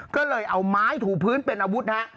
ก็เลยเอาไม้ถูพื้นเป็นอาวุธฮะ